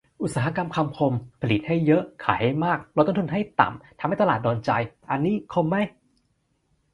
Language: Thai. อุตสาหกรรมคำคม ผลิตให้เยอะ ขายให้มาก ลดต้นทุนให้ต่ำ ทำตลาดให้โดนใจ อันนี้ คม ไหม ?